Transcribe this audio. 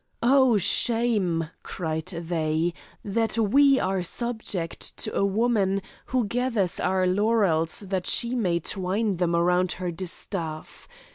"Oh, shame!" cried they, "that we are subject to a woman who gathers our laurels that she may twine them round her distaff.